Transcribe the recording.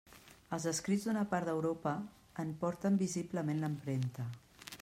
Els escrits d'una part d'Europa en porten visiblement l'empremta.